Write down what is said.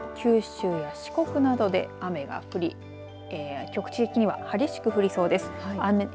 このあとも九州や四国などで雨が降り局地的には激しく降りそうです。